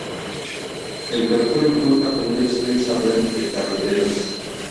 El territorio cuenta con una extensa red de carreteras.